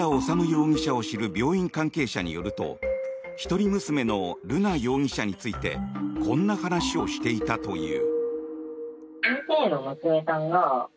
容疑者を知る病院関係者によると一人娘の瑠奈容疑者についてこんな話をしていたという。